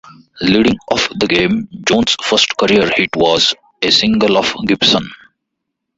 Leading off the game, Jones' first career hit was a single off Gibson.